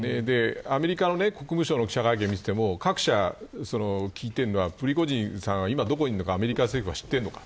アメリカ国務省の記者会見を見ても各社が聞いているのはプリゴジンさんが今どこにいるのか、アメリカ政府は知っているのか。